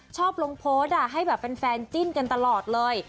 ชอบลงโพสต์ให้แบบแฟนจิ้นกันตลอดเลย